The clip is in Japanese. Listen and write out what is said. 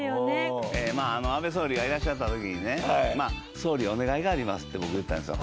まあ安倍総理がいらっしゃった時にね「総理お願いがあります」って僕言ったんですよ